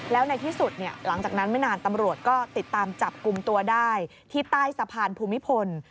แล้วในที่สุดหลังจากนั้นไม่นานตำรวจก็ติดตามจับกลุ่มตัวได้ที่ใต้สะพานภูมิพล